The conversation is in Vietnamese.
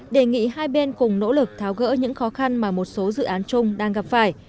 đề nghị hai bên cùng nỗ lực tháo gỡ những khó khăn mà một số dự án chung đang gặp phải